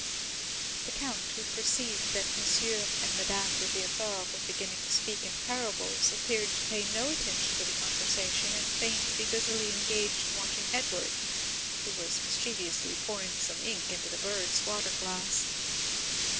The count, who perceived that M. and Madame de Villefort were beginning to speak in parables, appeared to pay no attention to the conversation, and feigned to be busily engaged in watching Edward, who was mischievously pouring some ink into the bird's water glass.